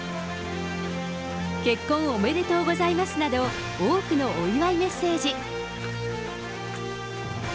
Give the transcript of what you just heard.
結婚おめでとうございますなど、多くのお祝いメッセージ。